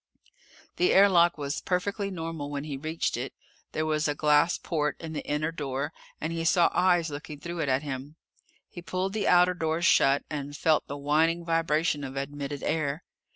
The air lock was perfectly normal when he reached it. There was a glass port in the inner door, and he saw eyes looking through it at him. He pulled the outer door shut and felt the whining vibration of admitted air.